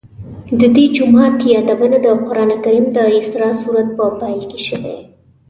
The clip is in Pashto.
د دې جومات یادونه د قرآن کریم د اسراء سورت په پیل کې شوې.